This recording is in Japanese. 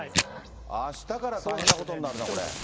あしたから大変なことになるな、これ。